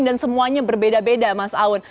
dan semuanya berbeda beda mas aun